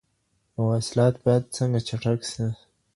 مواصلات بايد چټک سي.